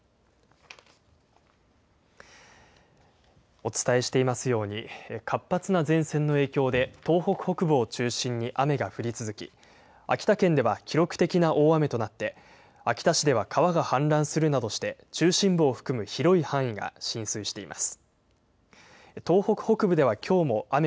お伝えしていますように活発な前線の影響で東北北部を中心に雨が降り続き秋田県では記録的な大雨となって秋田市では川が氾濫するなどして中心部を含む広い範囲が浸水しています。